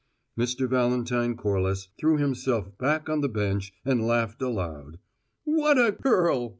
Mr. Valentine Corliss threw himself back on the bench and laughed aloud. "What a girl!"